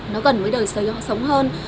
nó gần với đời sở sống hơn